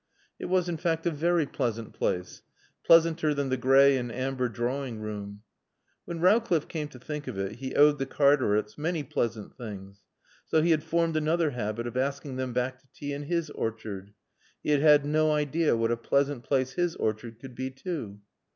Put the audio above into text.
It was in fact a very pleasant place. Pleasanter than the gray and amber drawing room. When Rowcliffe came to think of it, he owed the Cartarets many pleasant things. So he had formed another habit of asking them back to tea in his orchard. He had had no idea what a pleasant place his orchard could be too.